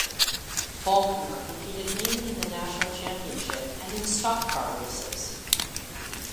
Faulkner competed mainly in the National Championship and in stock car races.